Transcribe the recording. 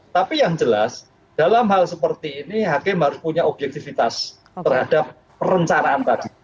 tapi yang jelas dalam hal seperti ini hakim harus punya objektivitas terhadap perencanaan tadi